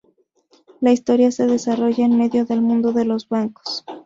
La historia se desarrolla en medio del mundo de los bancos.